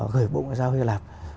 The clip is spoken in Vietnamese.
gửi bộ ngoại giao hy lạp